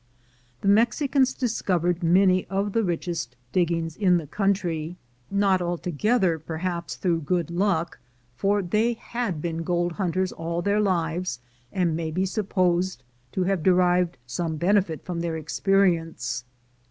The Mexicans discovered many of the richest diggings in the country — not 312 THE GOLD HUNTERS altogether, perhaps, through good luck, for the}'' had been gold hunters all their lives, and may be supposed to have derived some benefit from their experience.